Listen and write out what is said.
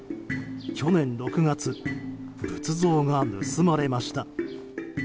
去年６月、仏像が盗まれました。